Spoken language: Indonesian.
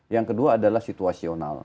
yang kedua adalah situasional